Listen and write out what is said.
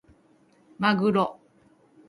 まぐろ